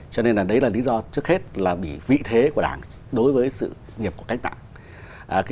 cho nên đấy là lý do trước hết là bị vị thế của đảng đối với sự nghiệp của cách mạng